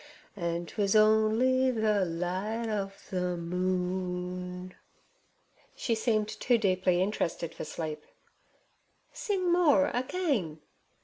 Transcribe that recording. An' 'twas only the light of the moon."' She seemed too deeply interested for sleep. 'Sing more again.'